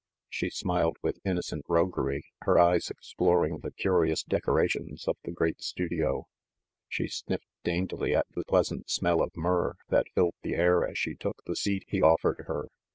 She smiled with innocent roguery, her eyes explor ing the curious decorations of the great studio. She sniffed daintily at the pleasant smell of myrrh that filled the air as she took the seat he offered her.